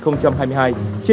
uống khoảng bao nhiêu chén